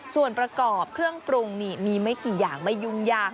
ส่วนประกอบเครื่องปรุงนี่มีไม่กี่อย่างไม่ยุ่งยาก